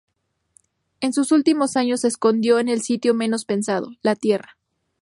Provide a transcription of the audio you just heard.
En sus últimos años se escondió en el sitio menos pensado: La Tierra.